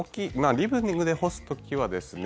リビングで干す時はですね